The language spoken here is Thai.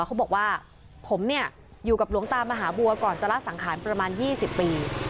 เขาบอกว่าผมเนี่ยอยู่กับหลวงตามหาบัวก่อนจะละสังขารประมาณ๒๐ปี